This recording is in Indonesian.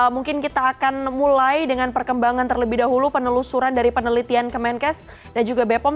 mungkin kita akan mulai dengan perkembangan terlebih dahulu penelusuran dari penelitian kemenkes dan juga bepom